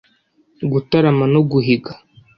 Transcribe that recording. Gutarama no guhiga